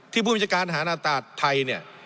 ที่ภูมิจการอาณาตาศไทยเนี่ย